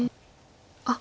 あっ！